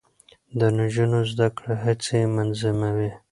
د نجونو زده کړه هڅې منظموي.